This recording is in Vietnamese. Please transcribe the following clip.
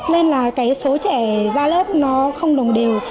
nên là cái số trẻ ra lớp nó không đồng đều